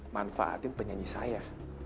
manfaatin penyanyi saya